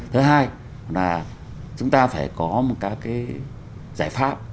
thứ hai là chúng ta phải có một các cái giải pháp